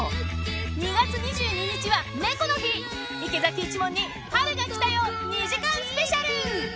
２月２２日は猫の日、池崎一門に春がきたよ２時間スペシャル！